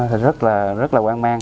thì rất là quan mang